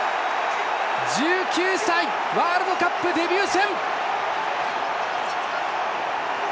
１９歳ワールドカップデビュー戦！